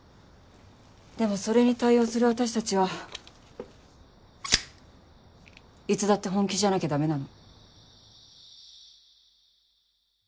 でもそれに対応する私たちはいつだって本気じゃなきゃダメなの。